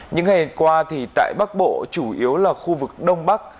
những ngày qua thì tại bắc bộ chủ yếu là khu vực đông bắc